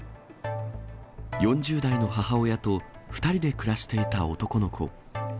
４０代の母親と２人で暮らしていた男の子。